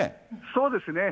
そうですね。